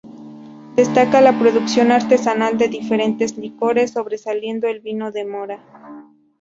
Destaca la producción artesanal de diferentes licores, sobresaliendo el vino de mora.